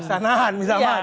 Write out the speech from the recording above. bisa menahan bisa menahan